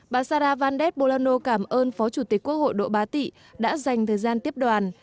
bà sara vandes bolano cảm ơn phó chủ tịch quốc hội đỗ bá tị đã dành thời gian tiếp đoàn